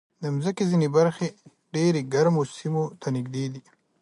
د مځکې ځینې برخې ډېر ګرمو سیمو ته نږدې دي.